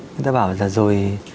người ta bảo là rồi